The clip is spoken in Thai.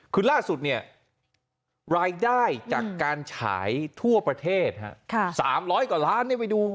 คือล่าสุดเนี่ยรายได้จากการฉายทั่วประเทศฮะค่ะสามร้อยกว่าล้านเนี่ยไปดู